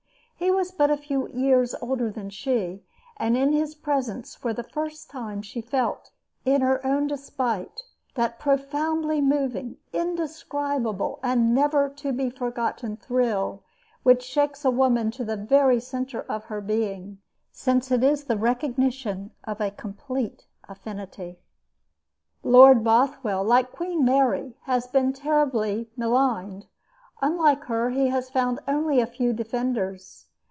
He was but a few years older than she, and in his presence for the first time she felt, in her own despite, that profoundly moving, indescribable, and never to be forgotten thrill which shakes a woman to the very center of her being, since it is the recognition of a complete affinity. Lord Bothwell, like Queen Mary, has been terribly maligned. Unlike her, he has found only a few defenders.